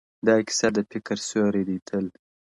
دا کيسه د فکر سيوری دی تل,